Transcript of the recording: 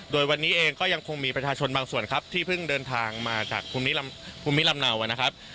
โดยวันนี้เองก็ยังคงมีประชาชนบางส่วนครับที่เพิ่งเดินทางมาจากภูมิลำเนานะครับ